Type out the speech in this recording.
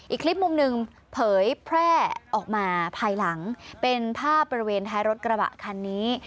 อีกคลิปมุมหนึ่งเผยแพร่ออกมาภายหลังเป็นภาพบริเวณท้ายรถกระบะคันนี้